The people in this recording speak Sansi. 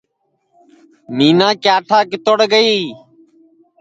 مِینا کِیاٹھا کِتوڑ گئی